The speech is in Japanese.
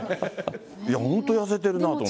いや、本当痩せてるなと思って。